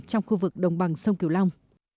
trong khu vực đồng bằng sông kiều long